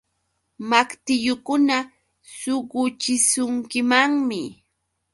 Maqtillukuna suquchishunkimanmi.